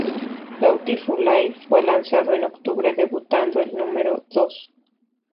Beautiful Life fue lanzado en octubre, debutando en el número dos.